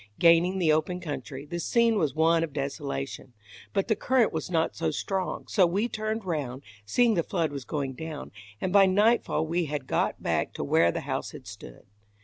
Gaining the open country, the scene was one of desolation; but the current was not so strong, so we turned round, seeing the flood was going down, and by nightfall we had got back to where the house had stood.